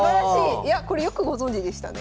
いやこれよくご存じでしたね。